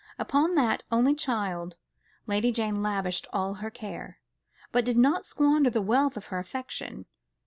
Upon that only child Lady Jane lavished all her care, but did not squander the wealth of her affection.